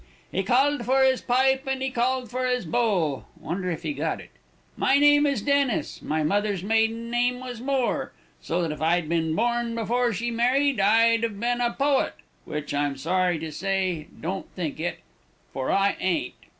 He called for his pipe and he called for his bowl wonder if he got it? My name is Dennis, my mother's maiden name was Moore, so that if I'd been born before she married, I'd have been a poet, which I'm sorry to say, don't think it, for I ain't.